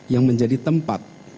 yang menjadi tempat